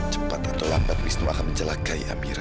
cepat atau lambat wisnu akan mencelakai amira